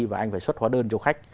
và anh phải xuất hóa đơn cho khách